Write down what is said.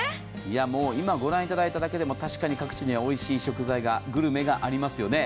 もう今、御覧いただいただけでも、確かに各地にはおいしい食材が、グルメがありますよね。